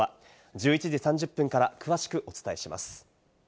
１１時３０分から詳しくお伝えします。